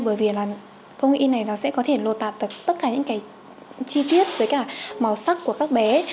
bởi vì là công nghệ in này nó sẽ có thể lột tạp tất cả những chi tiết với cả màu sắc của các bé